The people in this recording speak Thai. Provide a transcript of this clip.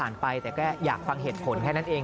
ไปแต่ก็อยากฟังเหตุผลแค่นั้นเอง